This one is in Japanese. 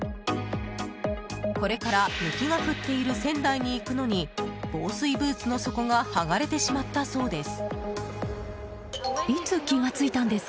これから雪が降っている仙台に行くのに防水ブーツの底が剥がれてしまったそうです。